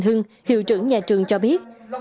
hưng hiệu trưởng nhà trường cho biết